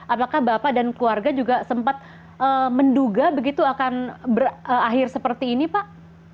apakah bapak dan keluarga juga sempat menduga begitu akan berakhir seperti ini pak